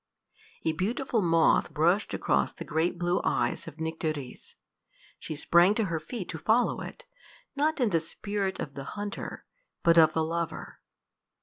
A beautiful moth brushed across the great blue eyes of Nycteris. She sprang to her feet to follow it, not in the spirit of the hunter, but of the lover.